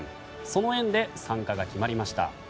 その縁で参加が決まりました。